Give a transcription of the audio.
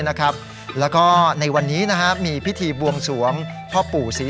นะครับแล้วก็ในวันนี้นะฮะมีพิธีบวงสวงพ่อปู่ศรี